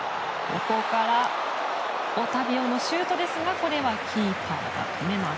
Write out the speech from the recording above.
オタビオのシュートですがこれはキーパーが止めます。